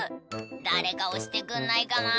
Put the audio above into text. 「誰か押してくんないかな」